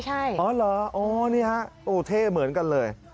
ใช่อ๋อเหรออ๋อนี่ฮะโอ้เท่เหมือนกันเลย